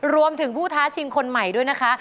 ผู้ท้าชิงคนใหม่ด้วยนะคะ